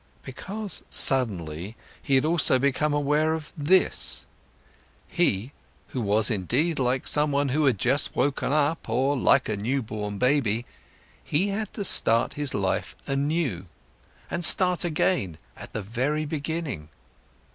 Because suddenly, he had also become aware of this: He, who was indeed like someone who had just woken up or like a new born baby, he had to start his life anew and start again at the very beginning.